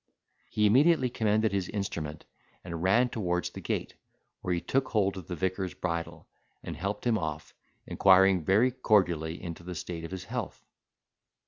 He immediately commended his instrument, and ran towards the gate, where he took hold of the vicar's bridle, and helped him off, inquiring very cordially into the state of his health.